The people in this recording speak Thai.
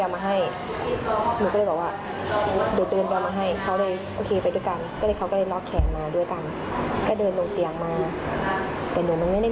ไม่ได้มองก็หลับจากแทงแล้วก็ทั้งแทงกันกรี๊ดไป